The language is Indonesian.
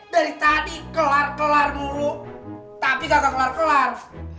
dari tadi kelar kelar mulu tapi kagak kelar kelar